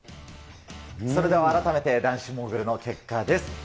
それでは改めて、男子モーグルの結果です。